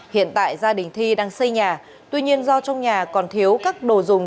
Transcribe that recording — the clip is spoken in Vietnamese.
hiện tại gia đình thi đang xây nhà tuy nhiên do trong nhà còn thiếu các đồ dùng